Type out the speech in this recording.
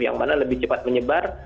yang mana lebih cepat menyebar